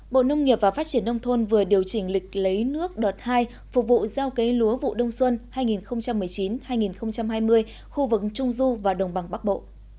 bộ nông nghiệp và phát triển nông thôn vừa điều chỉnh lịch lấy nước đợt hai phục vụ gieo cấy lúa vụ đông xuân hai nghìn một mươi chín hai nghìn hai mươi khu vực trung du và đồng bằng bắc bộ